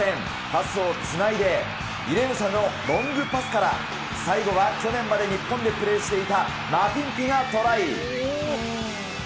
パスをつないで、イレンサのロングパスから最後は去年まで日本でプレーしていたマピンピがトライ。